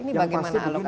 ini bagaimana alokasinya